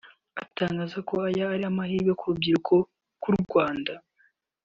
atangaza ko aya ari amahirwe ku rubyiruko rw’u Rwanda